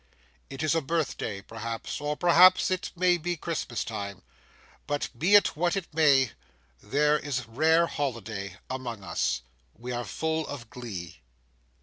It is a birthday, perhaps, or perhaps it may be Christmas time; but be it what it may, there is rare holiday among us; we are full of glee.